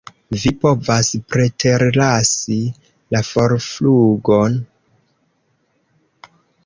Vi povas preterlasi la forflugon.